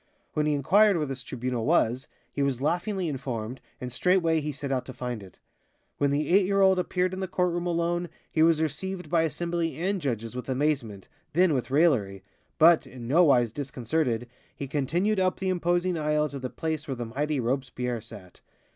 When he inquired where this Tribunal was, he was laughingly informed, and straightway he set out to find it. When the eight year old appeared in the court room alone, he was received by assembly and judges with amazement, then with raillery, but, in no wise disconcerted, he continued up the imposing aisle to the place where the mighty Robespierre sat.